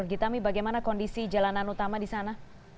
gitami bagaimana kondisi jalanan utama di sana